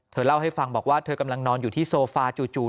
เล่าให้ฟังบอกว่าเธอกำลังนอนอยู่ที่โซฟาจู่